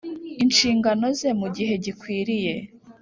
inshingano ze mu gihe gikwiriye